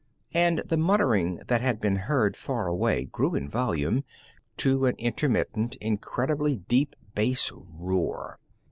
And the muttering that had been heard far away grew in volume to an intermittent, incredibly deep bass roar.